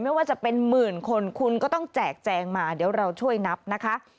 ไม่ว่าจะเป็นหมื่นคนคุณก็ต้องแจกแจงมาเดี๋ยวเราช่วยนับนะคะ